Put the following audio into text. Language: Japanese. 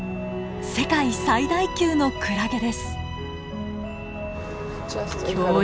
世界最大級のクラゲです。